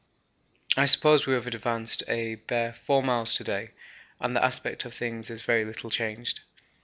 I suppose we have advanced a bare 4 miles to day and the aspect of things is very little changed.